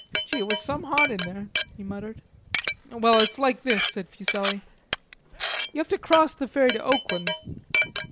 "Gee, it was some hot in there," he muttered. "Well, it's like this," said Fuselli. "You have to cross the ferry to Oakland.